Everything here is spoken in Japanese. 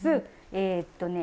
えっとね